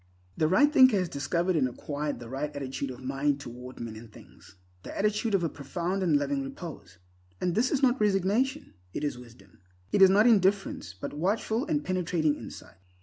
The right thinker has discovered and acquired the right attitude of mind toward men and things—the attitude of a profound and loving repose. And this is not resignation, it is wisdom. It is not indifference, but watchful and penetrating insight.